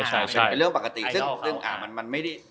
ใช่เป็นเรื่องปกติซึ่งมันไม่ได้